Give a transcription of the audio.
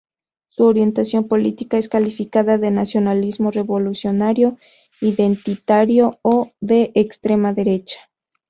Su orientación política es calificada de nacionalismo revolucionario, identitario o de extrema derecha.